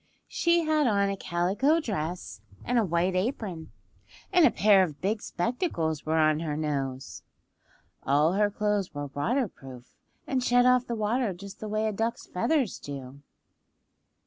She had on a calico dress and a white apron, and a pair of big spectacles were on her nose. (All her clothes were waterproof, and shed off the water just the way a duck's feathers do.)